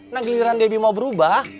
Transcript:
nah giliran debbie mau berubah